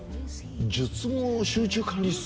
術後集中管理室？